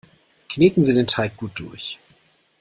Kneten Sie den Teig gut durch!